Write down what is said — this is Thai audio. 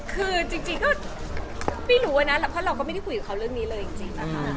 คือจริงก็ไม่รู้อะนะเพราะเราก็ไม่ได้คุยกับเขาเรื่องนี้เลยจริงนะคะ